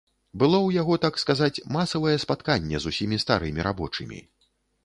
Было ў яго, так сказаць, масавае спатканне з усімі старымі рабочымі.